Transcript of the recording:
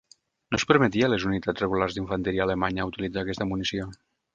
No es permetia a les unitats regulars d'infanteria alemanya utilitzar aquesta munició.